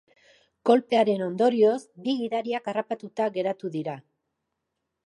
Kolpearen ondorioz, bi gidariak harrapatuta geratu dira.